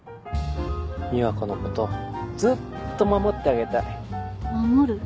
美和子のことずっと守ってあげたい守る？